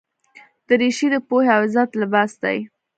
دریشي د پوهې او عزت لباس دی.